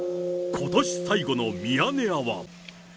ことし最後のミヤネ屋は。